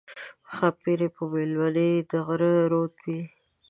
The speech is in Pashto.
ښاپېرۍ به مېلمنې د غره د رود وي